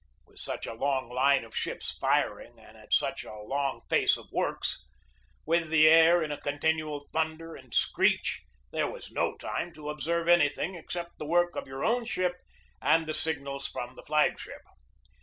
With such a long line of ships firing and at such a long face of works; with the air in a continual thunder and screech, there was no time to observe anything except the work of your own ship and the signals from the flag ship.